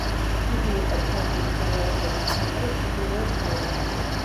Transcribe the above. იგი იყო ფრანგული ძალაუფლების ცენტრი ჩრდილოეთ ამერიკაში.